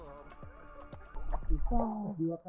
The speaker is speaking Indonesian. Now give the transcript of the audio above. saya masih berjuang di danau nyadeng